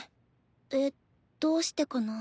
えっどうしてかな？